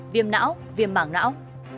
viêm não viêm bảng não